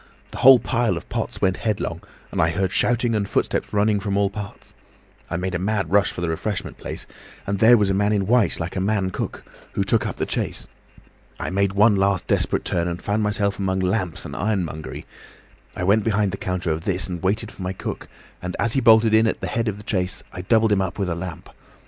The whole pile of pots went headlong, and I heard shouting and footsteps running from all parts. I made a mad rush for the refreshment place, and there was a man in white like a man cook, who took up the chase. I made one last desperate turn and found myself among lamps and ironmongery. I went behind the counter of this, and waited for my cook, and as he bolted in at the head of the chase, I doubled him up with a lamp.